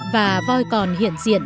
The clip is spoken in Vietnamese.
và voi còn hiện diện